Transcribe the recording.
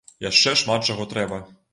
Яшчэ шмат чаго трэба.